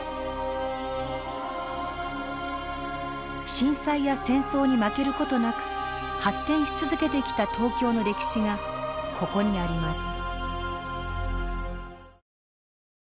震災や戦争に負ける事なく発展し続けてきた東京の歴史がここにあります。